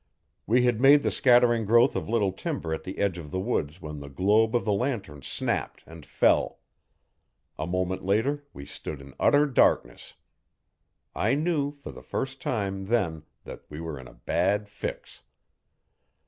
We had made the scattering growth of little timber at the edge of the woods when the globe of the lantern snapped and fell. A moment later we stood in utter darkness. I knew, for the first time, then that we were in a bad fix.